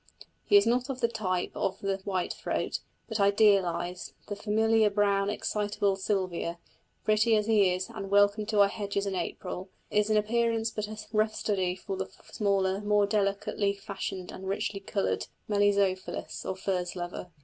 He is of the type of the white throat, but idealised; the familiar brown, excitable Sylvia, pretty as he is and welcome to our hedges in April, is in appearance but a rough study for the smaller, more delicately fashioned and richly coloured Melizophilus, or furze lover.